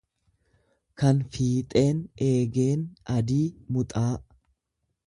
kan fiixeen eegeen adii muxaa.